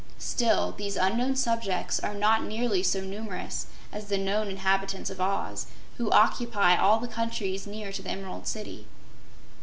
Still, these unknown subjects are not nearly so numerous as the known inhabitants of Oz, who occupy all the countries near to the Emerald City.